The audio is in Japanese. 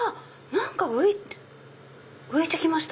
何か浮いてきました。